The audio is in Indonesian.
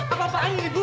apa apaan ini bu